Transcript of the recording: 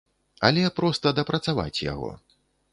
Але проста дапрацаваць яго.